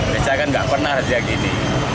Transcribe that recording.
biasanya kan gak pernah sejak ini